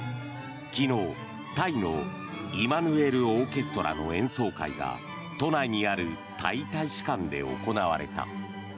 昨日、タイのイマヌエルオーケストラの演奏会が都内にあるタイ大使館で行われた。